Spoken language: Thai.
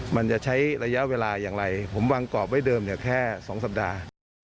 มันจะใช้ระยะเวลาอย่างไรผมวางกรอบไว้เดิมแค่๒สัปดาห์